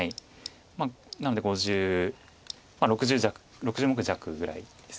なので５０６０目弱ぐらいです。